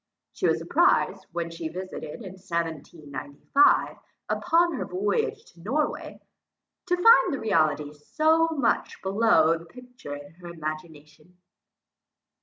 She was surprized, when she visited it in 1795, upon her voyage to Norway, to find the reality so very much below the picture in her imagination.